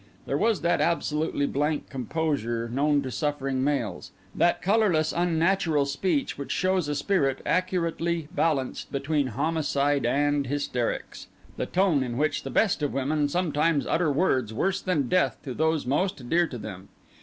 There was that absolutely blank composure known to suffering males; that colourless unnatural speech which shows a spirit accurately balanced between homicide and hysterics; the tone in which the best of women sometimes utter words worse than death to those most dear to them.